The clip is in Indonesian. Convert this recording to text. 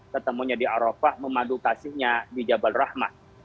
ketemunya di arafah memadu kasihnya di jabal rahmah